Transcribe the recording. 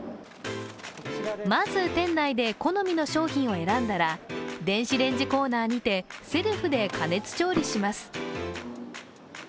まず店内で好みの商品を選んだら電子レンジコーナーにてセルフで加熱調理します。